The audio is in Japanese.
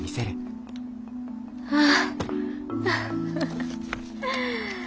ああ。